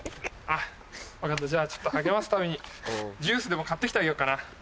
分かったじゃあ励ますためにジュースでも買って来てあげよっかな。